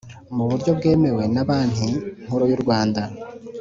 mu buryo bwemewe na Banki Nkuru y urwanda